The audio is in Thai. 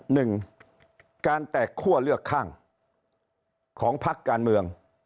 หนึ่งการแตกคั่วเลือกข้างของพักการเมือง